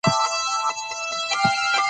سرحدونه د افغانستان د هیوادوالو لپاره ویاړ دی.